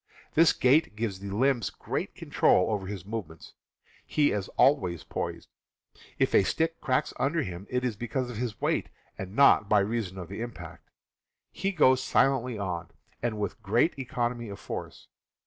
This gait gives the limbs great control over his movements. He is always poised. If a stick cracks under him it is because of his weight, and not by reason of the impact. He goes silently on, and with great economy of force.